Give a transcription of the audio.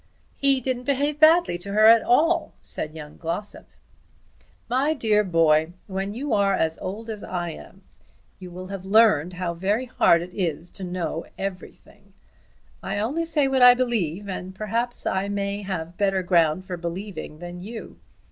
"He didn't behave badly at all," said young Glossop. "My dear boy, when you are as old as I am, you will have learned how very hard it is to know everything. I only say what I believe, and perhaps I may have better ground for believing than you.